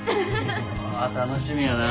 楽しみやな。